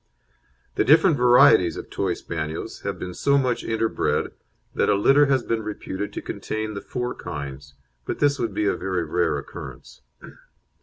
The different varieties of Toy Spaniels have been so much interbred that a litter has been reputed to contain the four kinds, but this would be of very rare occurrence.